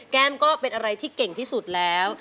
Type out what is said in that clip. แก้มก็เป็นอะไรที่เก่งที่สุดแล้ว